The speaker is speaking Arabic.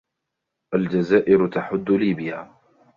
الجزائر تحد ليبيا.